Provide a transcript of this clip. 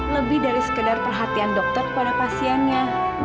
lebih dari sekedar perhatian dokter kepada pasiennya